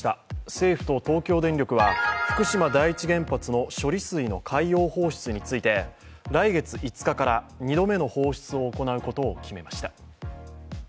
政府と東京電力は福島第一原発の処理水の海洋放出について来月５日から２度目の放出を行うことを決めました。